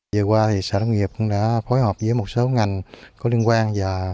giờ qua xã đông nghiệp cũng đã phối hợp với một số ngành có liên quan